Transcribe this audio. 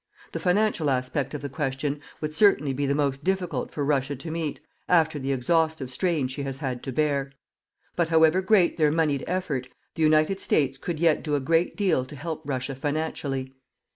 The financial aspect of the question would certainly be the most difficult for Russia to meet, after the exhaustive strain she has had to bear. But however great their moneyed effort, the United States could yet do a great deal to help Russia financially.